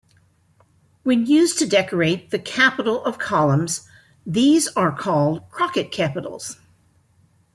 When used to decorate the capital of columns, these are called crocket capitals.